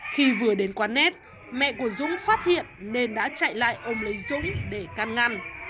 khi vừa đến quán nết mẹ của dũng phát hiện nên đã chạy lại ông lấy dũng để can ngăn